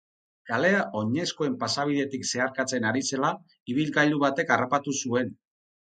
Kalea oinezkoen pasabidetik zeharkatzen ari zela ibilgailu batek harrapatu zuen.